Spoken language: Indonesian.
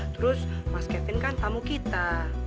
terus mas kevin kan tamu kita